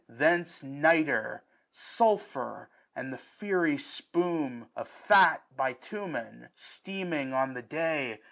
Thence Nitre, Sulphur, and the fiery spume Of fat Bitumen, steaming on the day.